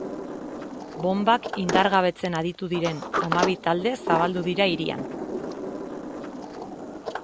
Bonbak indargabetzen aditu diren hamabi talde zabaldu dira hirian.